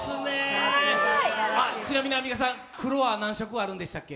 ちなみにアンミカさん、黒は何色あるんでしたっけ？